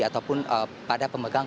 ataupun pada pemegang